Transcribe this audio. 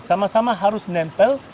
sama sama harus nempel